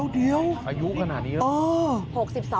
เดี๋ยวอายุขนาดนี้